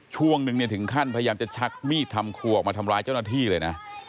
ช่วงนึงเนี่ยถึงขั้นพยายามจะชักมีดทำครัวออกมาทำร้ายเจ้าหน้าที่เลยนะ